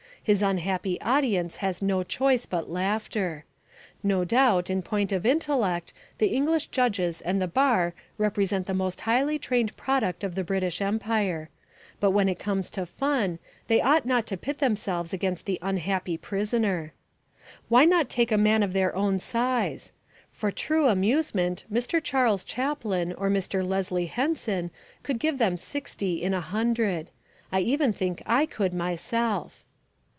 His unhappy audience has no choice but laughter. No doubt in point of intellect the English judges and the bar represent the most highly trained product of the British Empire. But when it comes to fun, they ought not to pit themselves against the unhappy prisoner. Why not take a man of their own size? For true amusement Mr. Charles Chaplin or Mr. Leslie Henson could give them sixty in a hundred. I even think I could myself.